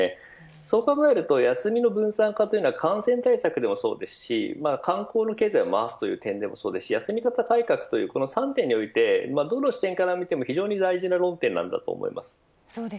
そう考えると休みの分散化は感染対策もそうですし経済を回すという点もそうですし休み方改革という３点においてどの視点から見ても非常に大事な論点だと思います。